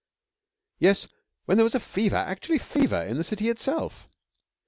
Yes, when there was a fever actually fever in the city itself!'